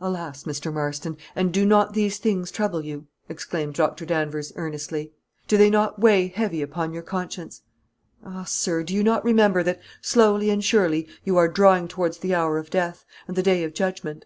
"Alas, Mr. Marston! And do not these things trouble you?" exclaimed Dr. Danvers, earnestly. "Do they not weigh heavy upon your conscience? Ah, sir, do you not remember that, slowly and surely, you are drawing towards the hour of death, and the Day of Judgment?"